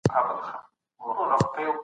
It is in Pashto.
پوهان وایي چي څېړنه ژوند بدلوي.